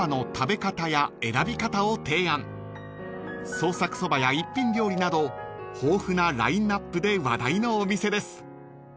［創作そばや一品料理など豊富なラインアップで話題のお店です］